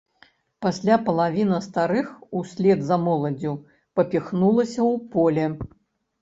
Пасля палавіна старых услед за моладдзю папхнулася ў поле.